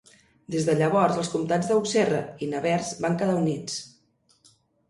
Des de llavors els comtats d'Auxerre i Nevers van quedar units.